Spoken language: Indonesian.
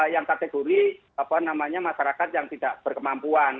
yang kategori masyarakat yang tidak berkemampuan